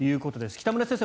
北村先生